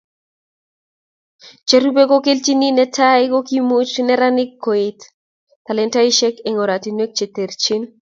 Cherubei ko kelchinenyi, netai ko kikomuch neranik koetu talentaisiek eng oratinwek che terchin